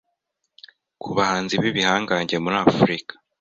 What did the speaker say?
ku bahanzi b’ibihangange muri Afurika